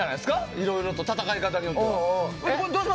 いろいろと戦い方によって。